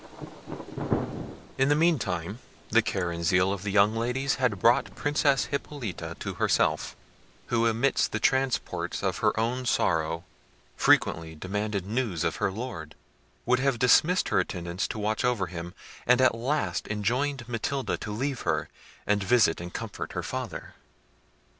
In the meantime, the care and zeal of the young Ladies had brought the Princess Hippolita to herself, who amidst the transports of her own sorrow frequently demanded news of her lord, would have dismissed her attendants to watch over him, and at last enjoined Matilda to leave her, and visit and comfort her father.